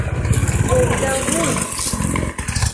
Овда вуй!